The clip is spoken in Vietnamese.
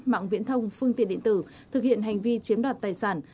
mạng viễn thông phương tiện điện tử thực hiện hành vi chiếm đoạt tài sản